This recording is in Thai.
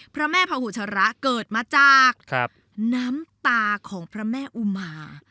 พระแม่พุชระเกิดมาจากน้ำตาของพระแม่อุมา